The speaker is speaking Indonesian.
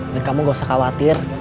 dan kamu gak usah khawatir